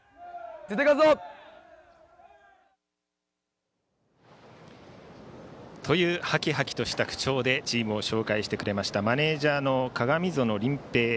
絶対勝つぞ！というはきはきとした口調でチームを紹介してくれましたマネージャーの鏡園倫平。